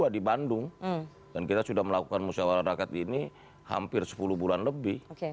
di bandung dan kita sudah melakukan musyawarah rakyat ini hampir sepuluh bulan lebih